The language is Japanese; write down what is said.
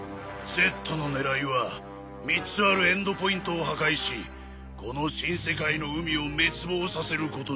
Ｚの狙いは３つあるエンドポイントを破壊しこの新世界の海を滅亡させることじゃろう。